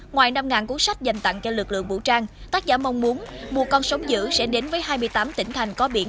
ngoài năm cuốn sách dành tặng cho lực lượng vũ trang tác giả mong muốn một con sống giữ sẽ đến với hai mươi tám tỉnh thành có biển